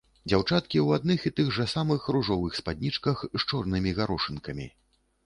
Дзяўчаткі ў адных і тых жа самых ружовых спаднічках з чорнымі гарошынкамі.